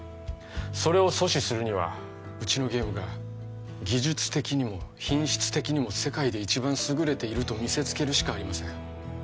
それを阻止するにはうちのゲームが技術的にも品質的にも世界で一番優れていると見せつけるしかありません